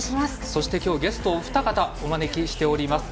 そして今日ゲストお二方お招きしています。